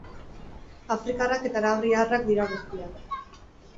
Afrikarrak eta arabiarrak dira guztiak.